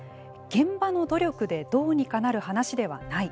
現場の努力でどうにかなる話ではない。